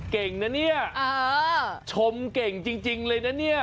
เก่งนะเนี่ยชมเก่งจริงเลยนะเนี่ย